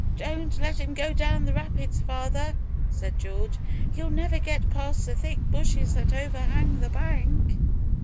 "Don't let him go down the rapids, father," said George; "you'll never get past the thick bushes that overhang the bank."